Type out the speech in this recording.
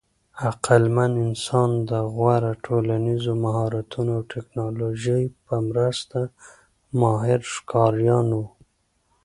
عقلمن انسان د غوره ټولنیزو مهارتونو او ټېکنالوژۍ په مرسته ماهر ښکاریان وو.